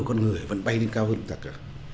con người vẫn bay lên cao hơn tất cả